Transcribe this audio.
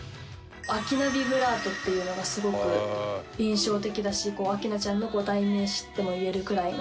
明菜ビブラートっていうのがすごく印象的だし明菜ちゃんの代名詞とも言えるくらいの。